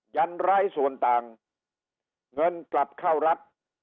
ยันร้ายส่วนต่างเงินกลับเข้ารัฐ